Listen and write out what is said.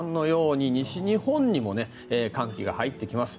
西日本にも寒気が入ってきます。